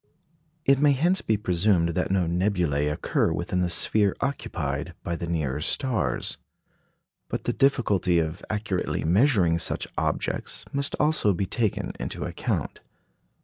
It may hence be presumed that no nebulæ occur within the sphere occupied by the nearer stars. But the difficulty of accurately measuring such objects must also be taken into account.